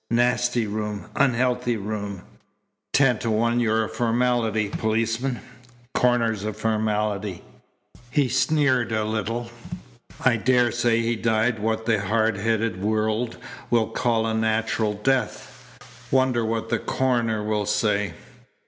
"Nasty room! Unhealthy room! Ten to one you're a formality, policeman. Coroner's a formality." He sneered a little. "I daresay he died what the hard headed world will call a natural death. Wonder what the coroner'll say."